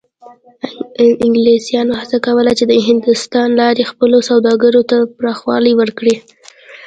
انګلیسانو هڅه کوله چې له هندوستان لارې خپلو سوداګریو ته پراخوالی ورکړي.